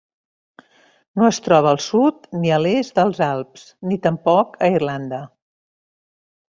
No es troba al sud ni a l'est dels Alps ni tampoc a Irlanda.